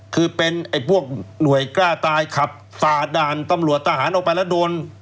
คือเป็นไอ้พวกหน่วยกล้าตายขับฝ่าด่านตำรวจทหารออกไปแล้วโดน